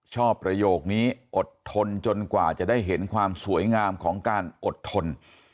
ประโยคนี้อดทนจนกว่าจะได้เห็นความสวยงามของการอดทน